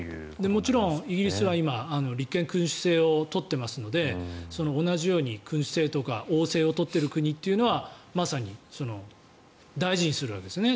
もちろんイギリスは今、立憲君主制を取っていますので同じように君主制とか王制を取っている国というのはまさに大事にするわけですね。